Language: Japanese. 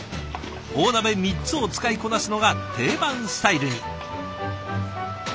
大鍋３つを使いこなすのが定番スタイルに。